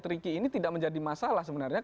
tricky ini tidak menjadi masalah sebenarnya